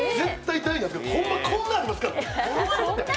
ホンマにこんなんありますからね。